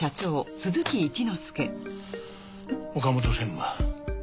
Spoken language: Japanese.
岡本専務。